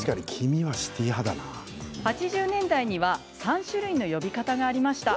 ８０年代には３種類の呼び方がありました。